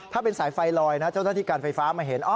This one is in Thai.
ถ้าเป็นสายไฟลอยนะเจ้าหน้าที่การไฟฟ้ามาเห็น